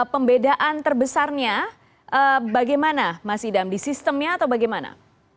pembedaan terbesarnya bagaimana mas idam di sistemnya atau bagaimana